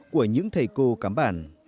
của những thầy cô cám bản